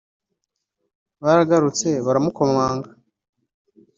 baragarutse baramukomanga